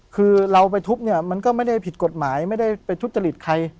คือเราไปทุบเนี่ยมันก็ไม่ได้ผิดกฎหมายไม่ได้ไปทุจริตใคร